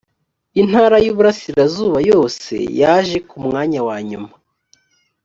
intara y’ uburasirazuba yose yaje ku mwanya wa nyuma